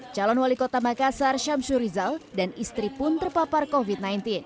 calon wali kota makassar syamsur rizal dan istri pun terpapar covid sembilan belas